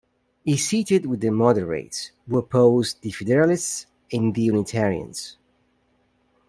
He seated with the Moderates, who opposed the Federalists and the Unitarians.